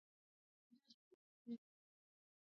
نمک د افغان ماشومانو د زده کړې موضوع ده.